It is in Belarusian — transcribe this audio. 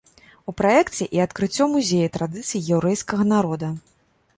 У праекце і адкрыццё музея традыцый яўрэйскага народа.